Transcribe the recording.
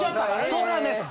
そうなんです。